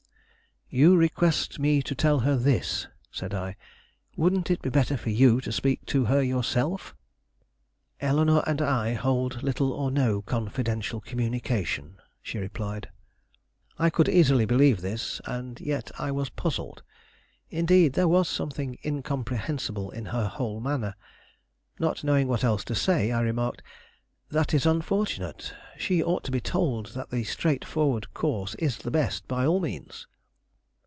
"You request me to tell her this," said I. "Wouldn't it be better for you to speak to her yourself?" "Eleanore and I hold little or no confidential communication," she replied. I could easily believe this, and yet I was puzzled. Indeed, there was something incomprehensible in her whole manner. Not knowing what else to say, I remarked, "That is unfortunate. She ought to be told that the straightforward course is the best by all means."